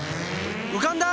うかんだ！